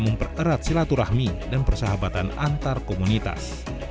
mempererat silaturahmi dan persahabatan antar komunitas